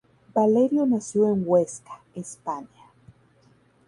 Valerio nació en Huesca, España.